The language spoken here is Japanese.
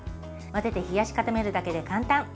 混ぜて冷やし固めるだけで簡単。